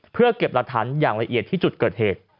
เพื่อเก็บหลักฐานอย่างละเอียดที่จุดเกิดเหตุ